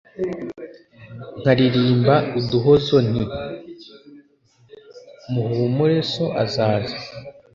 nkalirimba uduhozo nti : muhumure so azaza